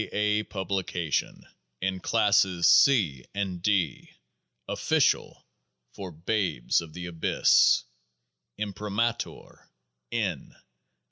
A. . PUBLICATION IN CLASSES C AND D Official for Babes of the Abyss Imprimatur. N.